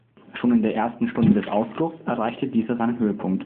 Schon in der ersten Stunde des Ausbruchs erreichte dieser seinen Höhepunkt.